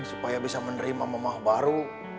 supaya bisa menerima mamah baru